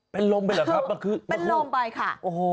เป็นลมไปเหรอครับเป็นลมไปค่ะ